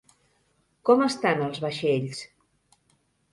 Com estan els vaixells?